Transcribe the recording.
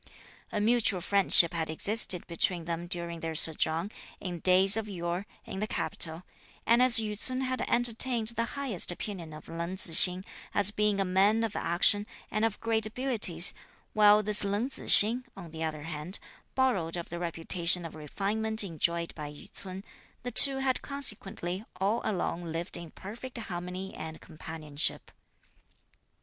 A mutual friendship had existed between them during their sojourn, in days of yore, in the capital; and as Yü ts'un had entertained the highest opinion of Leng Tzu hsing, as being a man of action and of great abilities, while this Leng Tzu hsing, on the other hand, borrowed of the reputation of refinement enjoyed by Yü ts'un, the two had consequently all along lived in perfect harmony and companionship.